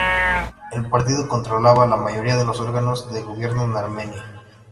El partido controlaba la mayoría de los órganos de gobierno en Armenia.